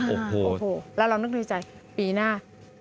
โอ้โหแล้วเรานึกดีใจปีหน้า